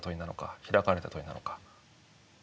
開かれた問いなのか？